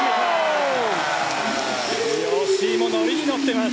吉井も乗りに乗っています。